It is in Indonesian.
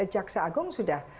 jaksa agung sudah